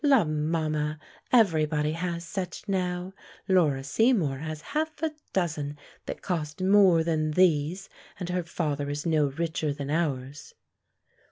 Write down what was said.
"La, mamma, every body has such now; Laura Seymour has half a dozen that cost more than these, and her father is no richer than ours."